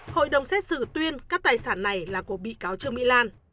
hội đồng xét xử tuyên các tài sản này là của bị cáo trương mỹ lan